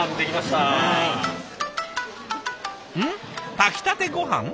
炊きたてごはん？